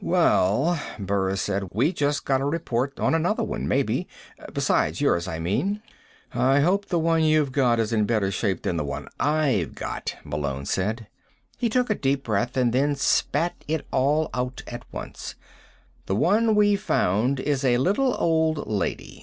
"Well," Burris said, "we just got a report on another one maybe. Besides yours, I mean." "I hope the one you've got is in better shape than the one I've got," Malone said. He took a deep breath, and then spat it all out at once: "The one we've found is a little old lady.